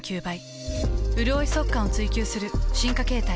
うるおい速乾を追求する進化形態。